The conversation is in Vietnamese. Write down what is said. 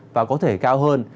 và có thể cao hơn